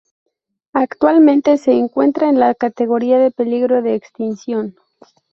Actualmente se encuentra en la categoría de peligro de extinción.